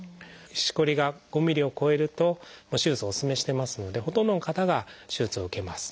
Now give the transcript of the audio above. しこりが５ｍｍを超えるともう手術をお勧めしてますのでほとんどの方が手術を受けます。